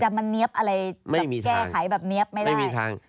จะมันเนี๊ยบอะไรแม้มีทาง